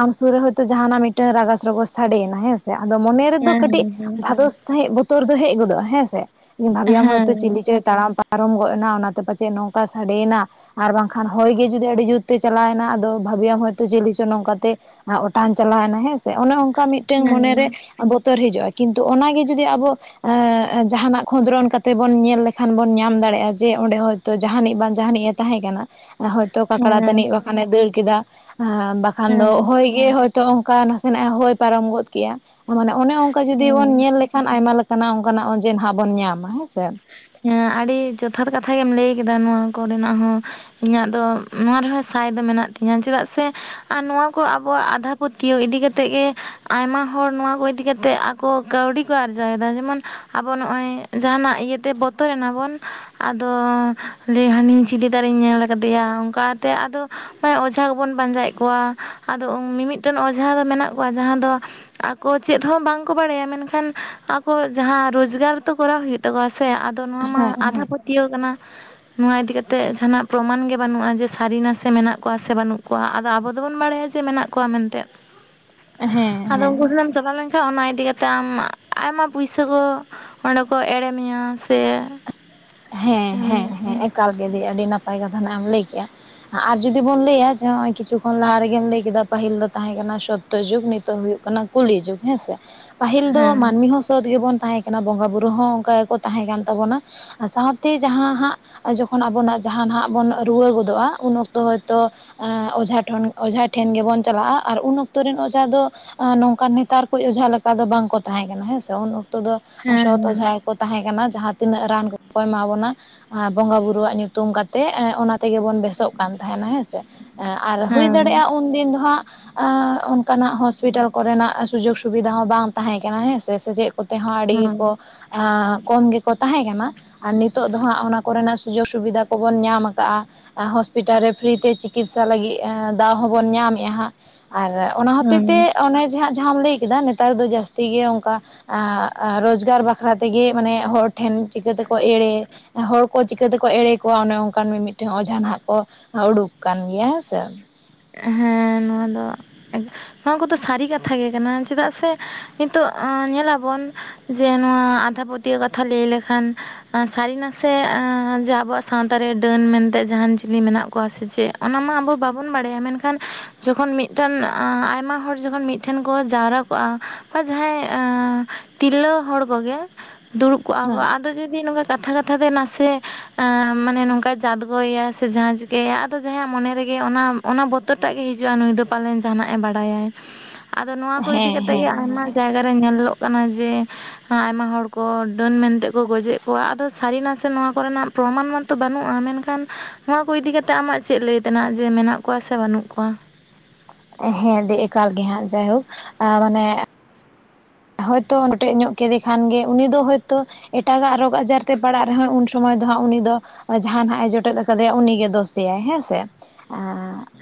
S1: ᱟᱢ ᱥᱩᱨ ᱨᱮ ᱦᱚᱭᱛᱳ ᱡᱟᱦᱟᱸᱱᱟᱜ ᱢᱤᱫᱴᱟᱹᱝ ᱨᱟᱜᱟᱥ ᱨᱚᱜᱚᱥ ᱥᱟᱰᱮᱭᱮᱱᱟ ᱦᱮᱸᱥᱮ ᱟᱫᱚ ᱢᱚᱱᱮ ᱨᱮᱫᱚ ᱠᱟᱹᱴᱤᱡ
S2: ᱦᱮᱸ
S1: ᱫᱷᱟᱫᱚᱥ ᱥᱟᱺᱦᱤᱡ ᱵᱚᱛᱚᱨ ᱫᱚ ᱦᱮᱡ ᱜᱚᱫᱚᱜᱼᱟ ᱦᱮᱸ ᱥᱮ ᱾ ᱵᱷᱟᱹᱵᱤᱭᱟᱢ
S2: ᱦᱮᱸ
S1: ᱦᱚᱭᱛᱳ ᱪᱤᱞᱤ ᱪᱚᱭ ᱛᱟᱲᱟᱢ ᱯᱟᱨᱚᱢ ᱜᱚᱫ ᱮᱱᱟ ᱚᱱᱟᱛᱮ ᱯᱟᱪᱮᱫ ᱱᱚᱝᱠᱟ ᱥᱟᱰᱮᱭᱮᱱᱟ ᱾ ᱟᱨ ᱵᱟᱝᱠᱷᱟᱱ ᱦᱚᱭ ᱜᱮ ᱡᱩᱫᱤ ᱟᱹᱰᱤ ᱡᱩᱛ ᱛᱮ ᱪᱟᱞᱟᱣᱮᱱᱟ ᱟᱫᱚ ᱵᱷᱟᱹᱵᱤᱭᱟᱢ ᱦᱚᱭ ᱛᱚ ᱪᱮᱞᱮ ᱪᱚᱭ ᱱᱚᱝᱠᱟᱛᱮ ᱚᱴᱟᱝ ᱪᱟᱞᱟᱣᱮᱱᱟ ᱦᱮᱸ ᱥᱮ ᱚᱱᱮ ᱚᱱᱠᱟ ᱢᱤᱫᱴᱮᱱ
S2: ᱦᱮᱸ
S1: ᱢᱚᱱᱮᱨᱮ ᱵᱚᱛᱚᱨ ᱦᱤᱡᱩᱜᱼᱟ, ᱠᱤᱱᱛᱩ ᱚᱱᱟᱜᱮ ᱡᱩᱫᱤ ᱟᱵᱚ ᱮᱸᱻ ᱡᱟᱦᱟᱸᱱᱟᱜ ᱠᱷᱚᱸᱫᱽᱨᱚᱱ ᱠᱟᱛᱮᱫ ᱵᱚᱱ ᱧᱮᱞ ᱞᱮᱠᱷᱟᱱ ᱵᱚᱱ ᱧᱟᱢ ᱫᱟᱲᱮᱭᱟᱜᱼᱟ᱾ ᱡᱮ ᱚᱸᱰᱮ ᱦᱚᱸ ᱛᱚ ᱡᱟᱦᱟᱸᱱᱤᱡ ᱵᱟᱝ ᱡᱟᱦᱟᱸᱱᱤᱡ ᱮ ᱛᱟᱦᱮᱸ ᱠᱟᱱᱟ ᱾ ᱦᱚᱭᱛᱚ ᱠᱟᱠᱲᱟ
S2: ᱦᱮᱸ
S1: ᱛᱟᱹᱱᱤᱡ ᱵᱟᱠᱷᱟᱱᱮ ᱫᱟᱹᱲ ᱠᱮᱫᱟ ᱵᱟᱠᱷᱟᱱ ᱫᱚ
S2: ᱦᱮᱸ
S1: ᱦᱚᱭᱼᱼ ᱜᱮ ᱦᱚᱭᱛᱳ ᱚᱱᱠᱟ ᱱᱟᱥᱮᱱᱟᱜ ᱦᱚᱭ ᱯᱟᱨᱚᱢ ᱜᱚᱫ ᱠᱮᱜᱼᱟ, ᱢᱟᱱᱮ ᱚᱱᱮ ᱚᱱᱠᱟ ᱡᱩᱫᱤ
S2: ᱦᱮᱸ
S1: ᱵᱚᱱ ᱧᱮᱞ ᱞᱮᱠ ᱠᱷᱟᱱ ᱟᱭᱢᱟ ᱞᱮᱠᱟᱱᱟᱜ ᱚᱱᱠᱟᱱᱟᱜ ᱚᱡᱮ ᱱᱷᱟᱜ ᱵᱚᱱ ᱧᱟᱢᱟ ᱦᱮᱸ ᱥᱮ‌ ᱾
S2: ᱦᱮᱸ ᱟᱹᱰᱤ ᱡᱚᱛᱷᱟᱛ ᱠᱟᱛᱷᱟ ᱜᱮᱢ ᱞᱟᱹᱭ ᱠᱮᱫᱟ ᱱᱚᱣᱟ ᱠᱚᱨᱮᱱᱟᱜ ᱦᱚᱸ ᱾ ᱤᱧᱟᱜ ᱫᱚ ᱱᱚᱣᱟ ᱨᱮᱦᱚᱸ ᱥᱟᱭ ᱫᱚ ᱢᱮᱱᱟᱜ ᱛᱤᱧᱟᱹ, ᱪᱮᱫᱟᱜ ᱥᱮ ᱟᱨ ᱱᱚᱣᱟ ᱠᱚ ᱟᱵᱚᱣᱟᱜ ᱟᱸᱫᱷᱟ ᱯᱟᱹᱛᱭᱟᱹᱣ ᱤᱫᱤ ᱠᱟᱛᱮᱫ ᱜᱮ ᱟᱭᱢᱟ ᱦᱚᱲ ᱱᱚᱣᱟ ᱠᱚ ᱤᱫᱤ ᱠᱟᱛᱮ ᱠᱚ ᱠᱟᱹᱣᱰᱤ ᱠᱚ ᱟᱨᱡᱟᱣᱮᱫᱟ ᱡᱮᱢᱚᱱ ᱟᱵᱚ ᱱᱚᱜᱼᱚᱭ ᱡᱟᱦᱟᱸᱱᱟᱜ ᱤᱭᱟᱹᱛᱮ ᱵᱚᱛᱚᱨ ᱮᱱᱟᱵᱚᱱ ᱟᱫᱚ ᱞᱟᱹᱭ ᱦᱟᱹᱱᱤ ᱪᱤᱞᱤ ᱫᱟᱨᱤᱧ ᱧᱮᱞ ᱠᱟᱫᱮᱭᱟ, ᱚᱱᱠᱟᱛᱮ ᱟᱫᱚ ᱢᱟᱱᱮ ᱚᱡᱷᱟ ᱜᱮᱵᱚᱱ ᱯᱟᱸᱡᱟᱭᱮᱫ ᱠᱚᱣᱟ᱾ ᱟᱫᱚ ᱢᱤ-ᱢᱤᱫᱴᱮᱱ ᱚᱡᱷᱟ ᱫᱚ ᱢᱮᱱᱟᱜ ᱠᱚᱣᱟ ᱡᱟᱦᱟᱸ ᱫᱚ ᱟᱠᱚ ᱪᱮᱫ ᱦᱚᱸ ᱵᱟᱝᱠᱚ ᱵᱟᱲᱟᱭᱟ ᱢᱮᱱᱠᱷᱟᱱ ᱟᱠᱚ ᱡᱟᱸᱦᱟᱸ ᱨᱳᱡᱽᱜᱟᱨ ᱛᱚ ᱠᱚᱨᱟᱣ ᱦᱩᱭᱩᱜ ᱛᱟᱠᱚᱣᱟ ᱥᱮ ᱟᱫᱚ ᱱᱚᱣᱟ ᱢᱟ
S1: ᱦᱮᱸ
S2: ᱟᱸᱫᱷᱟ
S1: ᱦᱮᱸ
S2: ᱯᱟᱹᱛᱭᱟᱹᱣ ᱠᱟᱱᱟ ᱾ ᱱᱚᱣᱟ ᱤᱫᱤ ᱠᱟᱛᱮ ᱡᱟᱦᱟᱸᱱᱟᱜ ᱯᱨᱚᱢᱟᱱ ᱜᱮ ᱵᱟᱹᱱᱩᱜᱼᱟ ᱡᱮ ᱥᱟᱹᱨᱤ ᱱᱟᱥᱮ ᱢᱮᱱᱟᱜ ᱠᱚᱣᱟ ᱥᱮ ᱵᱟᱹᱱᱩᱜ ᱠᱚ ᱣᱟ ᱟᱫᱚ ᱟᱵᱚ ᱫᱚᱵᱚᱱ ᱵᱟᱲᱟᱭᱟ ᱡᱮ ᱢᱮᱱᱟᱜ ᱠᱚᱣᱟ ᱢᱮᱱᱛᱮ
S1: (inaudible) ᱦᱮᱸ
S2: ᱟᱫᱚ
S1: ᱦᱮᱸ
S2: ᱩᱱᱠᱩ ᱴᱷᱮᱱᱮᱢ ᱪᱟᱞᱟᱣ ᱞᱮ ᱠᱷᱟᱱ ᱚᱱᱟ ᱤᱫᱤ ᱠᱟᱛᱮ ᱟᱢ ᱟᱭᱢᱟ ᱯᱩᱭᱥᱟᱹ ᱠᱚ ᱚᱸᱰᱮ ᱠᱚ ᱮᱲᱮ ᱢᱮᱭᱟ ᱥᱮ ᱾
S1: ᱦᱮᱸ ᱦᱮᱸ ᱦᱮᱸ ᱮᱠᱟᱞ ᱜᱮ ᱫᱤ ᱟᱹᱰᱤ ᱱᱟᱯᱟᱭ ᱠᱟᱛᱷᱟ ᱱᱷᱟᱜ ᱮᱢ ᱞᱟᱹᱭ ᱠᱮᱜᱼᱟ ᱾ ᱟᱨ ᱡᱩᱫᱤ ᱵᱚᱱ ᱞᱟᱹᱭᱟ ᱡᱮ ᱱᱚᱜᱼᱚᱭ ᱠᱤᱪᱷᱩ ᱠᱷᱚᱱ ᱞᱟᱦᱟ ᱨᱮᱜᱮᱢ ᱞᱟᱹᱭ ᱠᱮᱫᱟ ᱯᱟᱹᱦᱤᱞ ᱫᱚ ᱛᱟᱸᱦᱮ ᱠᱟᱱᱟ ᱥᱚᱛ ᱛᱚ ᱡᱩᱜᱽ ᱱᱤᱛᱚᱜ ᱦᱩᱭᱩᱜ ᱠᱟᱱᱟ ᱠᱩᱞᱤ ᱡᱩᱜᱽ ᱦᱮᱸᱥᱮ ᱾ ᱯᱟᱹᱦᱤᱞ ᱫᱚ ᱢᱟᱹᱱᱢᱤ ᱦᱚᱸ ᱥᱚᱛ ᱜᱮᱵᱚᱱ ᱛᱟᱸᱦᱮ ᱠᱟᱱᱟ ᱵᱚᱸᱜᱟ ᱵᱩᱨᱩ ᱦᱚᱸ ᱚᱱᱠᱟ ᱜᱮᱠᱚ ᱛᱟᱸᱦᱮ ᱠᱟᱱ ᱛᱟᱵᱚᱱᱟ ᱾ ᱥᱟᱶᱛᱮ ᱡᱟᱸᱦᱟ ᱦᱟᱸᱜ ᱡᱚᱠᱷᱚᱱ ᱟᱵᱚᱱᱟᱜ ᱡᱟᱸᱦᱟ ᱱᱟᱜ ᱵᱚᱱ ᱨᱩᱣᱟᱹ ᱜᱚᱫᱚᱜᱼᱟ, ᱩᱱ ᱚᱠᱛᱚ ᱦᱚᱭᱛᱚ ᱚᱡᱷᱟ ᱴᱷᱚᱱ ᱚᱡᱷᱟ ᱴᱷᱮᱱ ᱜᱮᱵᱚᱱ ᱪᱟᱞᱟᱜᱼᱟ ᱟᱨ ᱩᱱ ᱚᱠᱛᱚ ᱨᱮᱱ ᱚᱡᱷᱟ ᱫᱚ ᱱᱚᱝᱠᱟᱱ ᱱᱮᱛᱟᱨ ᱠᱚ ᱚᱡᱷᱟ ᱞᱮᱠᱟ ᱫᱚ ᱵᱟᱝᱠᱚ ᱛᱟᱸᱦᱮ ᱠᱟᱱᱟ ᱦᱮᱸᱥᱮ ᱾ᱩᱱ ᱚᱠ ᱛᱚ ᱫᱚ ᱥᱚᱛ
S2: ᱦᱮᱸ
S1: ᱚᱡᱷᱟ ᱜᱮ ᱠᱚ ᱛᱟᱸᱦᱮ ᱠᱟᱱᱟ ᱡᱟᱸᱦᱟ ᱛᱤᱱᱟᱹᱜ ᱨᱟᱱ ᱠᱚᱠᱚ ᱮᱢᱟ ᱵᱚᱱᱟ ᱾ ᱚᱱᱟ ᱵᱚᱸᱜᱟ ᱵᱩᱨᱩᱣᱟᱜ ᱧᱩᱛᱩᱢ ᱠᱟᱛᱮᱫ ᱚᱱᱟ ᱛᱮᱜᱮ ᱵᱚᱱ ᱵᱮᱥᱚᱜ ᱠᱟᱱ ᱛᱟᱸᱦᱮᱱᱟ ᱦᱮᱸᱥᱮ ᱾ ᱟᱨ ᱦᱩᱭ
S2: ᱦᱮᱸ
S1: ᱫᱟᱲᱮᱭᱟᱜᱼᱟ ᱩᱱᱫᱤᱱ ᱫᱚ ᱦᱟᱸᱜ ᱟᱸᱻ ᱚᱱᱠᱟᱱᱟᱜ ᱦᱚᱥᱯᱤᱴᱟᱞ ᱠᱚᱨᱮᱱᱟᱜ ᱥᱩᱡᱳᱠ ᱥᱩᱵᱤᱫᱷᱟ ᱦᱚᱸ ᱵᱟᱝ ᱛᱟᱸᱦᱮ ᱠᱟᱱᱟ ᱦᱮᱸ ᱥᱮ ᱥᱮ ᱪᱮᱫ ᱾ ᱠᱚᱛᱮ ᱦᱚᱸ ᱟᱹᱰᱤ
S2: ᱦᱮᱸ
S1: ᱜᱮᱠᱚ ᱟᱸᱻ ᱠᱚᱢ ᱜᱮᱠᱚ ᱛᱟᱸᱦᱮ ᱠᱟᱱᱟ ᱟᱨ ᱱᱤᱛᱚᱜ ᱫᱚ ᱦᱟᱸᱜ ᱚᱱᱟ ᱠᱚᱨᱮᱱᱟᱜ ᱥᱩᱡᱳᱜᱽ ᱥᱩᱵᱤᱫᱷᱟ ᱠᱚᱵᱚᱱ ᱧᱟᱢ ᱟᱠᱟᱟᱜᱼᱟ ᱾ ᱦᱚᱥᱯᱤᱴᱟᱞ ᱨᱮ ᱯᱷᱨᱤ ᱛᱮ ᱪᱤᱠᱤᱛᱥᱟ ᱞᱟᱹᱜᱤᱫ ᱫᱟᱣ ᱦᱚᱸᱵᱚᱱ ᱧᱟᱢᱮᱫᱼᱟ ᱦᱟᱸᱜ ᱾ ᱟᱨ ᱚᱱᱟ ᱦᱚᱛᱮ ᱛᱮ
S2: ᱦᱮᱸ
S1: ᱚᱱᱮᱮ ᱡᱟᱦᱟᱸ ᱡᱟᱸᱦᱟᱢ ᱞᱟᱹᱭ ᱠᱮᱫᱟ ᱱᱮᱛᱟᱨ ᱫᱚ ᱡᱟᱹᱥᱛᱤ ᱜᱮ ᱚᱱᱠᱟ ᱟᱸ ᱟᱻ ᱨᱳᱡᱽᱜᱟᱨ ᱵᱟᱠᱷᱨᱟ ᱛᱮᱜᱮ ᱢᱟᱱᱮ ᱦᱚᱲ ᱴᱷᱮᱱ ᱪᱤᱠᱟᱹ ᱛᱮᱠᱚ ᱮᱲᱮ ᱦᱚᱲ ᱠᱚ ᱪᱤᱠᱟᱹ ᱛᱮᱠᱚ ᱮᱲᱮ ᱠᱚᱣᱟ ᱚᱱᱮ ᱚᱱᱠᱟᱱ ᱢᱤᱢᱤᱫᱴᱮᱱ ᱚᱡᱷᱟ ᱱᱷᱟᱜ ᱠᱚ ᱩᱰᱩᱠ ᱠᱟᱱ ᱜᱮᱭᱟ ᱦᱮᱸ ᱥᱮ ᱾
S2: ᱦᱮᱸ ᱱᱚᱣᱟ ᱫᱚ ᱦᱟᱸ ᱠᱚᱫᱚ ᱥᱟᱹᱨᱤ ᱠᱟᱛᱷᱟ ᱜᱮ ᱠᱟᱱᱟ᱾ ᱪᱮᱫᱟᱜ ᱥᱮ ᱤᱸᱛᱚᱜ ᱚᱸ ᱧᱮᱞᱟᱵᱚᱱ ᱡᱮ ᱱᱚᱣᱟ 'ᱟᱫᱷᱟ ᱯᱟᱹᱛᱭᱟᱹᱣ' ᱠᱟᱛᱷᱟ ᱞᱟᱹᱭ ᱞᱮᱠᱷᱟᱱ ᱟᱸ ᱥᱟᱨᱤ-ᱱᱟᱥᱮ ᱟᱸ ᱡᱮ ᱟᱵᱚᱣᱟᱜ ᱥᱟᱸᱼᱛᱟ ᱨᱮ 'ᱰᱟᱹᱱ' ᱢᱮᱱᱛᱮ ᱡᱟᱸᱦᱟᱱ ᱡᱤᱞᱤ ᱢᱮᱱᱟᱜ ᱠᱚᱣᱟ ᱥᱮ ᱪᱮᱜ! ᱟᱱᱟ ᱢᱟ ᱟᱵᱚ ᱵᱟᱵᱚᱱ ᱵᱟᱲᱟᱭᱟ᱾ ᱢᱮᱱᱠᱷᱟᱱ ᱡᱚᱠᱷᱚᱱ ᱢᱤᱜᱴᱟᱱ ᱟᱸ ᱟᱭᱢᱟ ᱦᱚᱲ, ᱡᱚᱠᱷᱚᱱ ᱢᱤᱜ ᱴᱷᱮᱱ ᱠᱚ ᱡᱟᱣᱨᱟ ᱠᱚᱜᱼᱟ ᱵᱟ ᱡᱟᱦᱟᱸᱭ ᱮᱸ ᱛᱤᱨᱞᱟᱹᱣ ᱦᱚᱲ ᱠᱚᱜᱮ ᱫᱩᱲᱩᱵ ᱠᱚᱜᱼᱟ ᱠᱚ᱾ ᱟᱫᱚ ᱡᱩᱫᱤ ᱱᱚᱝᱠᱟ ᱠᱟᱛᱷᱟ-ᱠᱟᱛᱷᱟ ᱛᱮ ᱱᱟᱥᱮ ᱟᱸ ᱢᱟᱱᱮ ᱱᱚᱝᱠᱟ ᱡᱟᱫᱽᱜᱚᱭᱭᱟ ᱥᱮ ᱡᱷᱟᱸ ᱪᱤᱠᱟᱹᱭᱭᱟ, ᱟᱫᱚ ᱡᱟᱦᱟᱸᱭᱟᱜ ᱢᱚᱱᱮ ᱨᱮᱜᱮ ᱚᱱᱟ ᱚᱱᱟ ᱵᱚᱛᱚᱨ ᱴᱟᱜ ᱜᱮ ᱦᱤᱡᱩᱜᱼᱟ, ᱱᱩᱭ ᱫᱚ ᱯᱟᱞᱮᱱ ᱡᱟᱦᱟᱱᱟᱜᱼᱮ ᱵᱟᱲᱟᱭᱟᱭ᱾ ᱟᱫᱚ ᱱᱚᱣᱟ ᱠᱚ ᱤᱫᱤ
S1: ᱦᱮᱸ
S2: ᱠᱟᱛᱮᱜ ᱜᱮ ᱟᱭᱢᱟ
S1: ᱦᱮᱸ
S2: ᱪᱟᱭᱜᱟ ᱨᱮ ᱧᱮᱞᱞᱚᱜ ᱠᱟᱱᱟ ᱡᱮ ᱦᱟᱸ ᱟᱭᱢᱟ ᱦᱚᱲ ᱠᱚ, 'ᱰᱟᱹᱱ' ᱢᱮᱱᱛᱮ ᱠᱚ ᱜᱚᱡᱮᱜ ᱠᱚᱣᱟ᱾ ᱟᱫᱚ ᱥᱟᱹᱨᱤ-ᱱᱟᱥᱮ ᱱᱚᱣᱟ ᱠᱚᱨᱮᱱᱟᱜ ᱯᱨᱚᱢᱟᱱ ᱢᱟᱛᱚ ᱵᱟᱹᱱᱩᱜᱼᱟ ᱢᱮᱱᱠᱷᱟᱱ ᱦᱚᱶᱟ ᱠᱚ ᱤᱫᱤ ᱠᱟᱛᱮᱜ, ᱟᱢᱟᱜ ᱪᱮᱜ ᱞᱟᱹᱭ ᱛᱮᱱᱟᱜ ᱡᱮ ᱢᱮᱱᱟᱜ ᱠᱚᱣᱟ ᱥᱮ ᱵᱟᱹᱱᱩᱜ ᱠᱚᱶᱟ?
S1: ᱦᱮᱸ, ᱫᱤ ᱮᱠᱟᱞ ᱜᱮ ᱦᱟᱸᱜ ᱡᱟᱭᱦᱳᱠ ᱟ ᱢᱟᱱᱮ ᱦᱳᱭᱛᱳ ᱱᱚᱴᱮᱜ ᱧᱚᱜ ᱠᱮᱫᱮ ᱠᱷᱟᱱ ᱜᱮ, ᱩᱱᱤ ᱫᱚ ᱦᱳᱭᱛᱚ ᱮᱴᱟᱜᱟᱜ ᱨᱳᱜᱽ ᱟᱡᱟᱨ ᱛᱮ ᱯᱟᱲᱟᱜ ᱨᱮᱦᱚᱸᱭ, ᱩᱱ ᱥᱚᱢᱚᱭ ᱫᱚ ᱦᱟᱸᱜ, ᱩᱱᱤ ᱫᱚ ᱡᱟᱦᱟᱱ ᱦᱟᱸᱜᱼᱮ ᱡᱚᱴᱮᱫ ᱟᱠᱟᱫᱮᱭᱟ ᱩᱱᱤᱜᱮ ᱫᱳᱥᱮᱭᱟᱭ ᱦᱮᱸᱻᱥᱮ᱾ ᱟ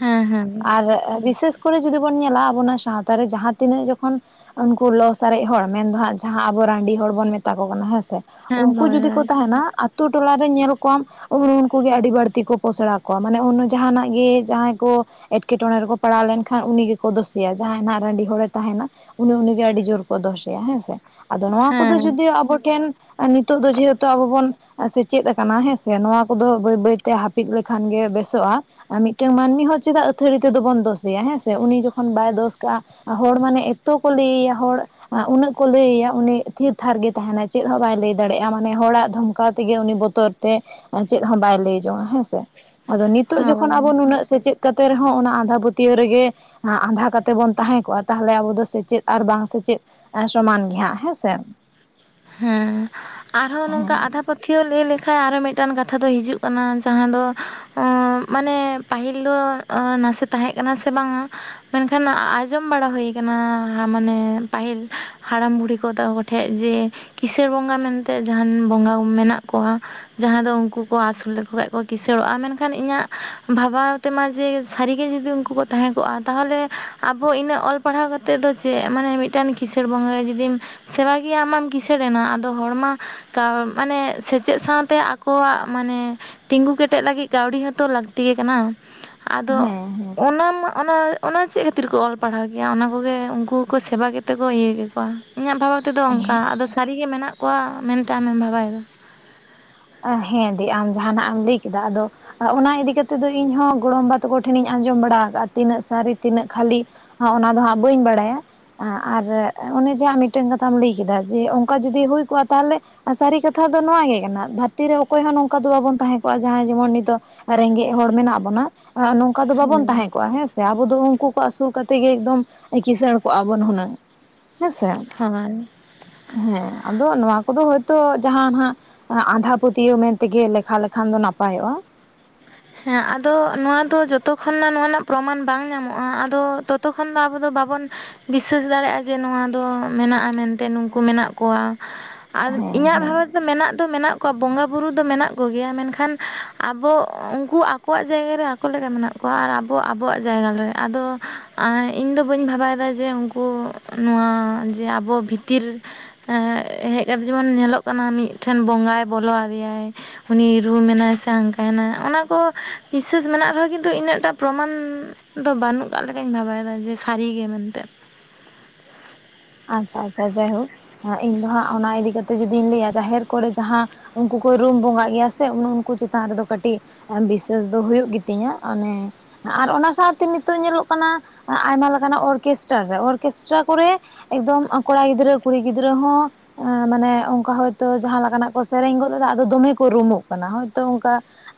S2: ᱦᱮᱸ ᱦᱮᱸ
S1: ᱟᱨ ᱮ ᱵᱤᱥᱮᱥ ᱠᱚᱨᱮ ᱡᱩᱫᱤ ᱵᱚᱱ ᱧᱮᱞᱟ, ᱟᱵᱚ ᱱᱟ ᱥᱟᱶᱛᱟ ᱨᱮ ᱡᱟᱦᱟᱸ ᱛᱤᱱᱟᱹᱜ ᱡᱚᱠᱷᱚᱱ ᱩᱱᱠᱩ ᱞᱚᱥ 'ᱥᱟᱨᱮᱡ ᱦᱚᱲ' ᱢᱮᱱᱫᱚ ᱦᱟᱸᱜ, ᱡᱟᱦᱟᱸ ᱟᱵᱚ 'ᱨᱟᱸᱰᱤ ᱦᱚᱲ' ᱵᱚᱱ ᱢᱮᱛᱟ ᱠᱚ ᱠᱟᱱᱟ ᱦᱮᱸ ᱥᱮ᱾
S2: ᱦᱮᱸ
S1: ᱩᱝᱠᱩ
S2: ᱦᱳᱭ
S1: ᱡᱩᱫᱤ ᱠᱚ
S2: ᱦᱳᱭ
S1: ᱛᱟᱦᱮᱱᱟᱻ, ᱛᱩ ᱴᱚᱞᱟᱨᱮ ᱧᱮᱞ ᱠᱚᱣᱟᱢ ᱩᱱ-ᱩᱱᱠᱩᱜᱮ ᱟᱹᱰᱤ ᱵᱟᱹᱲᱛᱤ ᱠᱚ ᱯᱚᱥᱲᱟ ᱠᱚᱣᱟ, ᱢᱟᱱᱮ ᱩᱱ ᱡᱟᱦᱟᱱᱟᱜ ᱜᱮ, ᱡᱟᱦᱟᱸᱭ ᱠᱚ ᱮᱴᱠᱮᱴᱚᱬᱮ ᱨᱮᱠᱚ ᱯᱟᱲᱟᱣ ᱞᱮᱱᱠᱷᱟᱱ ᱩᱱᱤ ᱜᱮᱠᱚ ᱫᱳᱥᱮᱭᱟ᱾ ᱡᱟᱦᱟᱸᱭ ᱱᱟᱜ 'ᱨᱟᱺᱰᱤ ᱦᱚᱲᱮ' ᱛᱟᱦᱮᱱᱟ, ᱩᱱᱤ-ᱩᱱᱤᱜᱮ ᱟᱹᱰᱤ ᱡᱳᱨ ᱠᱚ ᱫᱚᱥᱮᱭᱟ ᱦᱮᱸᱻ ᱥᱮ᱾ ᱟᱫᱚ ᱱᱚᱣᱟ ᱠᱚᱫᱚ
S2: ᱦᱮᱸ
S1: ᱡᱩᱫᱤᱣ ᱟᱵᱚ ᱴᱷᱮᱱ ᱮ ᱱᱤᱛᱚᱜ ᱫᱚ, ᱡᱮᱹᱦᱮᱹᱛᱩ ᱟᱵᱚ ᱵᱚᱱ ᱮ ᱥᱮᱪᱮᱫ ᱟᱠᱟᱱᱟ ᱦᱮᱸᱥᱮ᱾ ᱱᱚᱣᱟ ᱠᱚᱫᱚ ᱵᱟᱹᱭ-ᱵᱟᱹᱭᱛᱮ ᱦᱟᱹᱯᱤᱫ ᱞᱮᱠᱷᱟᱱ ᱜᱮ ᱵᱮᱥᱚᱜᱼᱟ᱾ ᱟ ᱢᱤᱜᱴᱮᱝ ᱢᱟᱹᱱᱢᱤ ᱦᱚᱸ ᱪᱮᱫᱟᱜ ᱟᱹᱛᱷᱟᱹᱲᱤ ᱛᱮᱫᱚ ᱵᱚᱱ ᱫᱳᱥᱮᱭᱟ ᱦᱮᱸᱻᱥᱮ, ᱩᱱᱤ ᱡᱚᱠᱷᱚᱱ ᱵᱟᱭ ᱫᱳᱥ ᱠᱟᱜᱼᱟ᱾ ᱟ ᱦᱚᱲ ᱢᱟᱱᱮ, ᱮᱛᱚ ᱠᱚ ᱞᱟᱹᱭᱼᱭᱟ ᱦᱚᱲ ᱟ ᱩᱱᱟᱹᱜ ᱠᱚ ᱞᱟᱹᱭᱼᱭᱟ ᱩᱱᱤᱜ ᱛᱷᱤᱨ-ᱛᱷᱟᱨ ᱜᱮ ᱛᱟᱦᱮᱱᱟ, ᱪᱮᱫ ᱦᱚᱸ ᱵᱟᱭ ᱞᱟᱹᱭ ᱫᱟᱲᱮᱜᱼᱟ᱾ ᱢᱟᱱᱮ ᱦᱚᱲᱟᱜ ᱫᱷᱚᱢᱠᱟᱣ ᱛᱮᱜᱮ ᱩᱱᱤ ᱵᱚᱛ ᱛᱚᱨ ᱛᱮ ᱪᱮᱫ ᱦᱚᱸ ᱵᱟᱭ ᱞᱟᱹᱭ ᱡᱚᱝᱟ ᱦᱮᱸᱻᱥᱮ, ᱟᱫᱚ ᱱᱤᱛᱚᱜ ᱡᱚᱠᱷᱚᱱ
S2: ᱦᱳᱭ
S1: ᱟᱵᱚ ᱱᱩᱱᱟᱹᱜ ᱥᱮᱪᱮᱫ ᱠᱟᱛᱮ ᱨᱮᱦᱚᱸ ᱚᱱᱟ 'ᱟᱸᱫᱷᱟ ᱯᱟᱹᱛᱭᱟᱹᱣ' ᱨᱮᱜᱮ ᱟᱸ ᱟᱸᱫᱷᱟ ᱠᱟᱛᱮ ᱵᱚᱱ ᱛᱟᱦᱮᱸ ᱠᱚᱜᱼᱟ ᱛᱟᱦᱞᱮ ᱟᱵᱚ ᱫᱚ ᱥᱮᱪᱮᱫ ᱟᱨ ᱵᱟᱝ ᱥᱮᱪᱮᱫ ᱮᱸ ᱥᱚᱢᱟᱱ ᱜᱮ ᱦᱟᱸᱜ ᱦᱮᱸᱻᱥᱮ᱾
S2: ᱦᱩᱸ, ᱟᱨᱦᱚᱸ
S1: ᱦᱮᱸ
S2: ᱱᱚᱝᱠᱟ 'ᱟᱫᱷᱟ- -ᱯᱟᱹᱛᱷᱭᱟᱹᱣ' ᱞᱟᱹᱭ ᱞᱮᱠᱷᱟ ᱟᱨᱚ ᱢᱤᱜᱴᱟᱱ ᱠᱟᱛᱷᱟ ᱫᱚ ᱦᱤᱡᱩᱜ ᱠᱟᱱᱟ᱾ ᱡᱟᱦᱟᱸ ᱫᱚ ᱚᱸ ᱢᱟᱱᱮ ᱯᱟᱦᱤᱞ ᱫᱚ ᱚᱸ ᱱᱟᱥᱮ ᱛᱟᱦᱮᱸ ᱠᱟᱱᱟ ᱥᱮ ᱵᱟᱝᱟ! ᱢᱮᱱᱠᱷᱟᱱ ᱟᱸᱡᱚᱢ ᱵᱟᱲᱟ ᱦᱩᱭ ᱠᱟᱱᱟ᱾ ᱦᱟ ᱢᱟᱱᱮ ᱯᱟᱹᱦᱤᱞ ᱦᱟᱲᱟᱢ, ᱵᱩᱲᱦᱤ ᱠᱚ ᱛᱟ ᱠᱚᱴᱷᱮᱡ ᱡᱮ 'ᱠᱤᱥᱟᱹᱨ ᱵᱚᱸᱜᱟ' ᱢᱮᱱᱛᱮ ᱡᱟᱦᱟᱱ ᱵᱚᱸᱜᱟᱣᱚᱢ ᱢᱮᱱᱟᱜ ᱠᱚᱣᱟ᱾ ᱡᱟᱦᱟᱸ ᱫᱚ ᱩᱝᱠᱩ ᱠᱚ, ᱟᱥᱩᱞ ᱞᱮᱠᱚ ᱠᱷᱟᱡ ᱠᱚ ᱠᱤᱥᱟᱹᱲᱚᱜᱼᱟ᱾ ᱢᱮᱱᱠᱷᱟᱱ ᱤᱧᱟᱜ ᱵᱷᱟᱵᱟ ᱛᱮᱢᱟ ᱡᱮ ᱥᱟᱹᱨᱤᱜᱮ ᱡᱩᱫᱤ ᱩᱝᱠᱩ ᱠᱚ ᱛᱟᱦᱮᱸ ᱠᱚᱜᱼᱟ, ᱛᱟᱦᱚᱞᱮ ᱟᱵᱚ ᱤᱱᱟᱹᱜ ᱚᱞ ᱯᱟᱲᱦᱟᱣ ᱠᱟᱛ ᱛᱮ ᱫᱚ ᱪᱮᱜ ᱢᱟᱱᱮ ᱢᱤᱜᱴᱟᱱ 'ᱠᱤᱥᱟᱹᱲ ᱵᱚᱸᱜᱟ' ᱜᱮ ᱡᱩᱫᱤᱢ ᱥᱮᱵᱟ ᱠᱮᱭᱟ ᱟᱢ ᱢᱟᱢ ᱠᱤᱥᱟᱹᱨᱮᱱᱟ᱾ ᱟᱫᱚ ᱦᱚᱲᱢᱟ ᱠᱟᱣ ᱢᱟᱱᱮ ᱥᱮᱪᱮᱜ ᱥᱟᱶᱛᱮ ᱟᱠᱚᱣᱟᱜ ᱢᱟᱱᱮ ᱛᱤᱸᱜᱩ ᱠᱮᱴᱮᱡ ᱞᱟᱹᱜᱤᱜ ᱠᱟᱹᱣᱰᱤ ᱦᱚᱸᱛᱚ ᱞᱟᱹᱠᱛᱤ ᱜᱮ ᱠᱟᱱᱟᱻ᱾ ᱟᱫᱚ
S1: ᱦᱮᱸ ᱦᱮᱸ
S2: ᱚᱱᱟ ᱢᱟ, ᱚᱱᱟ ᱚᱱᱟ ᱪᱮᱜ ᱠᱟᱹᱛᱤᱨ ᱠᱚ ᱚᱞ ᱯᱟᱲᱦᱟᱣ ᱠᱮᱭᱟ, ᱚᱱᱟ ᱠᱚᱜᱮ ᱩᱝᱠᱩ ᱠᱚ, ᱥᱮᱵᱟ ᱠᱮᱛᱮ ᱠᱚ ᱤᱭᱟᱹ ᱠᱮᱠᱚᱣᱟ᱾ ᱤᱧᱟᱹᱜ ᱵᱟᱵᱟ ᱛᱮᱫᱚ ᱚᱝᱠᱟ ᱟᱫᱚ ᱥᱟᱹᱨᱤ ᱜᱮ ᱢᱮᱱᱟᱜ ᱠᱚᱣᱟ, ᱢᱮᱱᱛᱮ ᱟᱢᱮᱢ ᱵᱷᱟᱵᱟᱭᱮᱫᱟ?
S1: ᱟ ᱦᱮᱸ ᱫᱤ, ᱟᱢ ᱡᱟᱦᱟ ᱱᱷᱟᱜ ᱮᱢ ᱞᱟᱹᱭ ᱠᱮᱫᱟ, ᱟᱫᱚ ᱟ ᱚᱱᱟ ᱤᱫᱤ ᱠᱟᱛᱮᱜ ᱫᱚ ᱤᱧ ᱦᱚᱸ ᱜᱚᱲᱚᱢ ᱵᱟ ᱛᱟᱠᱚ ᱴᱷᱮᱱᱤᱧ ᱟᱸᱡᱚᱢ ᱵᱟᱲᱟ ᱟᱠᱟᱜᱼᱟ ᱛᱤᱱᱟᱹᱜ ᱥᱟᱨᱤ, ᱛᱤᱱᱟᱹᱜ ᱠᱷᱟᱹᱞᱤ! ᱦᱚ ᱚᱱᱟ ᱫᱚ ᱦᱟᱸᱜ ᱵᱟᱹᱧ ᱵᱟᱲᱟᱭᱟ ᱾ ᱟ ᱟᱨ ᱚᱱᱮ ᱡᱮ ᱢᱤᱫ ᱴᱮᱱ ᱠᱟᱛᱷᱟᱢ ᱞᱟᱹᱭ ᱠᱮᱫᱟ ᱡᱮ ᱚᱱᱠᱟ ᱡᱩᱫᱤ ᱦᱩᱭ ᱠᱚᱜᱼᱟ ᱛᱟᱦᱞᱮ ᱥᱟᱨᱤ ᱠᱟᱛᱷᱟ ᱫᱚ ᱱᱚᱣᱟ ᱜᱮ ᱠᱟᱱᱟ ᱫᱷᱟᱨ ᱛᱤᱨᱮ ᱚᱠᱚᱭ ᱦᱚᱸ ᱱᱚᱝᱠᱟ ᱫᱚ ᱵᱟᱵᱩᱱ ᱛᱟᱦᱮᱸ ᱠᱚᱜᱼᱟ ᱡᱟᱦᱟᱸᱭ ᱡᱮᱢᱚᱱ ᱱᱤᱛᱚᱜ ᱨᱮᱸᱜᱮᱡ ᱦᱚᱲ ᱢᱮᱱᱟᱜ ᱵᱩᱱᱟ, ᱟᱸ ᱱᱚᱝᱠᱟ ᱫᱚ ᱵᱟᱵᱩᱱ
S2: ᱦᱮᱸ
S1: ᱛᱟᱦᱮᱸ ᱠᱚᱜᱼᱟ ᱦᱮᱸ ᱥᱮ ᱟᱵᱩ ᱫᱚ ᱩᱱᱠᱩ ᱠᱚ ᱟᱥᱩᱞ ᱠᱟᱛᱮᱫ ᱜᱮ ᱮᱠᱫᱚᱢ ᱠᱤᱥᱟᱹᱬ ᱠᱚᱜᱼᱟ ᱵᱩᱱ ᱦᱩᱱᱟᱹᱝ ᱦᱮᱸ ᱥᱮ ᱾
S2: (unintelligible)
S1: ᱦᱮᱸ ᱟᱫᱚ ᱱᱚᱣᱟ ᱠᱚᱫᱚ ᱦᱳᱭᱛᱳ ᱡᱟᱦᱟᱸ ᱱᱟᱦᱟᱜ ᱟᱸᱫᱷᱟ ᱯᱟᱹᱛᱭᱟᱹᱣ ᱢᱮᱱᱛᱮ ᱜᱮ ᱞᱮᱠᱷᱟ ᱞᱮᱠᱷᱟᱱ ᱫᱚ ᱱᱟᱯᱟᱭᱚᱜᱼᱟ ᱾
S2: ᱦᱮᱸ ᱟᱫᱚ ᱱᱚᱣᱟ ᱫᱚ ᱡᱚᱛᱚ ᱠᱷᱚᱱᱟ ᱱᱚᱣᱟ ᱨᱮᱱᱟᱜ ᱯᱨᱚᱢᱟᱱ ᱵᱟᱝ ᱧᱟᱢᱚᱜᱼᱟ ᱟᱫᱚ ᱛᱚᱛᱚ ᱠᱷᱚᱱ ᱢᱟ ᱟᱵᱩ ᱫᱚ ᱵᱟᱵᱚᱱ ᱵᱤᱥᱥᱟᱹᱥ ᱫᱟᱲᱮᱭᱟᱜᱼᱟ ᱡᱮ ᱱᱚᱣᱟ ᱫᱚ ᱢᱮᱱᱟᱜᱼᱟ ᱢᱮᱱᱛᱮ ᱱᱩᱠᱩ ᱢᱮᱱᱟᱜ ᱠᱩᱣᱟ, ᱟᱨ
S1: ᱦᱮᱸ
S2: ᱤᱧᱟᱹᱜ
S1: ᱦᱮᱸ
S2: ᱵᱷᱟᱵᱮ ᱛᱮᱫᱚ ᱢᱮᱱᱟᱜ ᱫᱚ ᱢᱮᱱᱟᱜ ᱠᱚᱣᱟ ᱵᱚᱸᱜᱟ ᱵᱩᱨᱩ ᱫᱚ ᱢᱮᱱᱟᱜ ᱠᱚ ᱜᱮᱭᱟ ᱢᱮᱱᱠᱷᱟᱱ ᱟᱵᱩ ᱩᱱ ᱠᱩ ᱟᱠᱚᱣᱟᱜ ᱡᱟᱭᱜᱟ ᱨᱮ ᱟᱠᱚ ᱞᱮᱠᱟ ᱢᱮᱱᱟᱜ ᱠᱚᱣᱟ ᱟᱨ ᱟᱵᱚ ᱟᱵᱚᱣᱟᱜ ᱡᱟᱭᱜᱟ ᱨᱮ, ᱟᱫᱚ ᱟᱨ ᱤᱧ ᱫᱚ ᱵᱟᱹᱧ ᱵᱷᱟᱵᱟᱭ-ᱫᱟ ᱡᱮ ᱩᱱᱠᱩ ᱱᱚᱣᱟ ᱡᱮ ᱟᱵᱚ ᱵᱷᱤᱛᱤᱨ ᱮᱸ ᱦᱮᱡ ᱠᱟᱛᱮᱜ ᱡᱮᱢᱚᱱ ᱧᱮᱞᱚᱜ ᱠᱟᱱᱟ ᱢᱤᱫᱴᱷᱮᱱ ᱵᱚᱸᱜᱟᱭ ᱵᱚᱞᱚ ᱟᱫᱮᱭᱼᱟᱭ, ᱩᱱᱤ ᱨᱩᱢ ᱮᱱᱟᱭ ᱥᱮ ᱦᱟᱝᱠᱟᱭ ᱮᱱᱟᱭ ᱚᱱᱟ ᱠᱚ ᱵᱤᱥᱤᱥᱥᱟᱹᱥ ᱢᱮᱱᱟᱜ ᱨᱮ ᱦᱚᱸ ᱠᱤᱱᱛᱩ ᱤᱱᱟᱹᱜ ᱴᱟᱜ ᱯᱨᱚᱢᱟᱱ ᱫᱚ ᱵᱟᱱᱩᱜ ᱠᱟᱫ ᱞᱮᱠᱟᱧ ᱵᱷᱟᱵᱟᱭᱮᱫᱟ ᱡᱮ ᱥᱟᱨᱤ ᱜᱮ ᱢᱮᱱᱛᱮ,
S1: ᱟᱪᱪᱷᱟ ᱟᱪᱪᱷᱟ ᱡᱟᱭᱦᱳᱠ ᱤᱧ ᱫᱚ ᱦᱟᱸᱜ ᱚᱱᱟ ᱤᱫᱤ ᱠᱟᱛᱮᱜ ᱡᱩᱫᱤᱧ ᱞᱟᱹᱭᱟ ᱡᱟᱦᱮᱨ ᱠᱚᱲᱮ ᱡᱟᱦᱟᱸ ᱩᱱᱠᱩ ᱠᱩ ᱨᱩᱢ ᱵᱚᱸᱜᱟᱜ ᱜᱮᱭᱟ ᱥᱮ ᱩᱱᱠᱩ ᱪᱮᱛᱟᱱ ᱨᱮ ᱫᱚ ᱠᱟᱹᱴᱤᱡ ᱵᱤᱥᱮᱥ ᱫᱚ ᱦᱩᱭᱩᱜ ᱜᱤᱛᱤᱧᱟ, ᱚᱱᱮ ᱟᱨ ᱚᱱᱟ ᱥᱟᱶᱛᱮ ᱱᱤᱛᱚᱜ ᱧᱮᱞᱚᱜ ᱠᱟᱱᱟ ᱟᱭᱢᱟ ᱞᱮᱠᱟᱱᱟᱜ ᱚᱨᱠᱮᱥᱴᱟᱨ ᱨᱮ, ᱚᱨᱠᱮᱥᱴᱟᱨᱟ ᱠᱚᱨᱮ ᱮᱠᱫᱚᱢ ᱠᱚᱲᱟ ᱜᱤᱫᱽᱨᱟᱹ ᱠᱩᱲᱤ ᱜᱤᱫᱽᱨᱟᱹ ᱦᱚᱸ ᱮᱸ ᱢᱟᱱᱮ ᱚᱱᱠᱟ ᱦᱚᱭᱛᱳ ᱡᱟᱦᱟᱸ ᱞᱮᱠᱟ ᱱᱟᱜ ᱠᱚ ᱥᱮᱨᱮᱧ ᱜᱚᱫ ᱮᱫᱟ ᱟᱫᱚ ᱫᱚᱢᱮ ᱠᱚ ᱨᱩᱢᱩᱜ ᱠᱟᱱᱟ ᱦᱚᱭᱛᱳ ᱚᱱᱠᱟ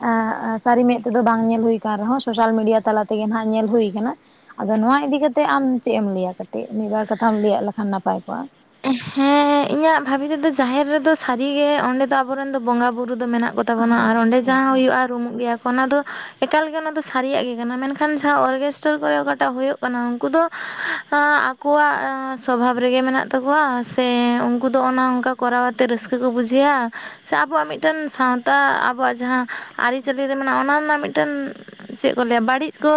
S1: ᱟᱸᱜ ᱥᱟᱨᱤ ᱢᱮᱸᱫ ᱛᱮᱫᱚ ᱵᱟᱝ ᱧᱮᱞ ᱦᱩᱭ ᱠᱟᱱᱟ ᱨᱮᱦᱚᱸ ᱥᱳᱥᱟᱞ ᱢᱤᱰᱤᱭᱟ ᱛᱟᱞᱟ ᱛᱮ ᱜᱮ ᱦᱟᱱᱟᱜ ᱧᱮᱞ ᱦᱩᱭ ᱠᱟᱱᱟ, ᱟᱫᱚ ᱱᱚᱣᱟ ᱤᱫᱤ ᱠᱮᱛᱮᱜ ᱟᱢ ᱪᱮᱫ ᱮᱢ ᱞᱟᱹᱭᱟ ᱠᱟᱹᱴᱤᱡ ᱢᱤᱫ ᱵᱟᱨ ᱠᱟᱛᱷᱟᱢ ᱞᱟᱹᱭᱼᱟ ᱞᱮᱠᱷᱟᱱ ᱱᱟᱯᱟᱭ ᱠᱚᱜᱼᱟ?
S2: ᱦᱮᱸ ᱤᱧᱟᱜ ᱵᱷᱟᱵᱤ ᱛᱮᱫᱚ ᱡᱟᱦᱮᱨ ᱨᱮ ᱫᱚ ᱥᱟᱹᱨᱤ ᱜᱮ ᱚᱸᱰᱮ ᱫᱚ ᱟᱵᱩᱨᱮᱱ ᱫᱚ ᱵᱚᱸᱜᱟ ᱵᱩᱨᱩ ᱫᱚ ᱢᱮᱱᱟᱜ ᱠᱚᱛ ᱛᱟᱵᱩᱱᱟ, ᱟᱨ ᱚᱸᱰᱮ ᱡᱟᱦᱟᱸ ᱦᱩᱭᱩᱜᱼᱟ ᱨᱩᱢᱩᱜ ᱜᱮᱭᱟ ᱚᱱᱟ ᱫᱚ ᱮᱠᱟᱞ ᱜᱮ ᱚᱱᱟ ᱫᱚ ᱥᱟᱨᱤᱭᱟᱜ ᱜᱮ ᱠᱟᱱᱟ ᱢᱮᱱ ᱠᱷᱟᱱ ᱡᱟᱦᱟᱸ ᱚᱨᱜᱮᱥᱴᱟᱨ ᱠᱚᱨᱮ ᱚᱠᱟᱴᱟᱜ ᱦᱩᱭᱩᱜ ᱠᱟᱱᱟ ᱩᱱᱠᱩ ᱫᱚ ᱟᱠᱩᱣᱟᱜ ᱥᱚᱵᱷᱟᱵᱽ ᱨᱮ ᱜᱮ ᱢᱮᱱᱟᱜ ᱛᱟᱠᱩᱣᱟ ᱥᱮ ᱩᱱᱠᱩ ᱫᱚ ᱚᱱᱮ ᱚᱱᱠᱟ ᱠᱚᱨᱟᱣ ᱠᱟᱛᱮ ᱨᱟᱹᱥᱠᱟᱹ ᱠᱩ ᱵᱩᱡᱷᱟᱹᱭᱼᱟ, ᱥᱮ ᱟᱵᱩᱣᱟᱜ ᱢᱤᱫᱴᱮᱱ ᱥᱟᱶᱛᱟ ᱟᱵᱩᱣᱟᱜ ᱡᱟᱦᱟᱸ ᱟᱨᱤᱪᱟᱞᱤ ᱨᱮ ᱢᱮᱱᱟᱜᱼᱟ ᱚᱱᱟ ᱨᱮᱱᱟᱜ ᱢᱤᱫ ᱴᱮᱱ ᱪᱮᱫ ᱠᱚ ᱞᱟᱹᱭᱟ ᱵᱟᱲᱤᱡ ᱠᱩ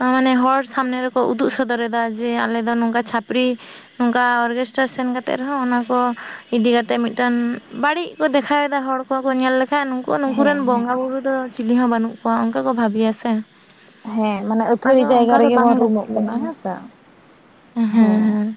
S2: ᱢᱟᱱᱮ ᱦᱚᱲ ᱥᱟᱢᱱᱮ ᱨᱮᱠᱩ ᱩᱫᱩᱜ ᱥᱚᱫᱚᱨᱮᱫᱟ ᱡᱮ ᱟᱞᱮ ᱫᱚ ᱱᱚᱝᱠᱟ ᱪᱷᱟ ᱯᱨᱤ ᱚᱱᱠᱟ ᱚᱨᱜᱮᱥᱴ ᱴᱟᱨ ᱥᱮᱱ ᱠᱟᱛᱮᱫ ᱨᱮᱦᱚᱸ ᱚᱱᱟ ᱠᱩ ᱤᱫᱤ ᱠᱟᱛᱮ ᱢᱤᱫᱴᱮᱱ ᱵᱟᱲᱤᱡ ᱠᱩ ᱫᱮᱠᱷᱟᱣᱮᱫᱟ ᱦᱚᱲ ᱠᱚ ᱧᱮᱞ ᱞᱮᱠᱷᱟᱱᱡ ᱱᱩᱠᱩ ᱱᱩᱠᱩᱨᱮᱱ
S1: ᱦᱮᱸ ᱦᱮᱸ
S2: ᱵᱚᱸᱜᱟ ᱵᱩᱨᱩ ᱫᱚ ᱪᱤᱞᱤ ᱦᱚᱸ ᱵᱟᱹᱱᱩᱜ ᱠᱚᱣᱟ ᱚᱱᱠᱟ ᱠᱚ ᱵᱷᱟᱵᱤᱭᱟ ᱥᱮ ᱾
S1: ᱦᱮᱸ ᱢᱟᱱᱮ ᱟᱹᱛᱷᱟᱹᱲᱤ ᱡᱟᱭᱜᱟ ᱨᱮᱜᱮ
S2: ᱵᱟᱝ
S1: ᱵᱩᱱ ᱨᱩᱢᱩᱜ ᱠᱟᱱᱟ ᱦᱮᱸᱥᱮ ᱾
S2: ᱦᱮᱸᱻ ᱦᱮᱸ